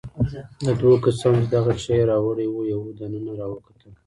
له دوو کسانو څخه چې دغه شی يې راوړی وو، یو دننه راوکتل.